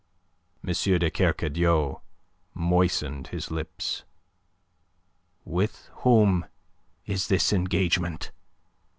M. de Kercadiou moistened his lips. "With whom is this engagement?"